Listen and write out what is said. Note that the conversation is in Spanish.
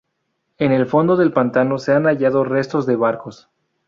En el fondo del pantano se han hallado restos de barcos.